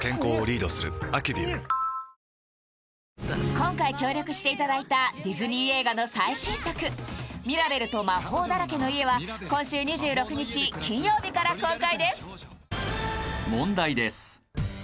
今回協力していただいたディズニー映画の最新作「ミラベルと魔法だらけの家」は今週２６日金曜日から公開です問題です